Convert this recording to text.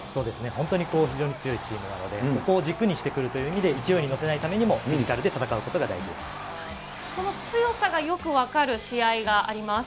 本当に非常に強いチームなので、そこを軸にしてくるという意味でも勢いに乗せないためにもフィジその強さがよく分かる試合があります。